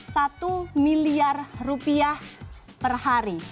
satu miliar rupiah per hari